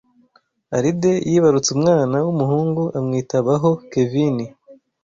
Alide yibarutse umwana w’umuhungu amwita BAHO Kevini